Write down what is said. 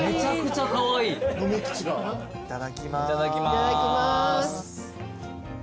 いただきます。